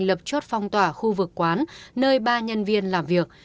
lập chốt phong tỏa khu vực quán nơi ba nhân viên làm việc